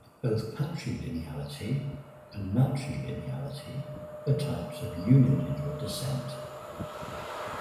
Both patrilineality and matrilineality are types of unilineal descent.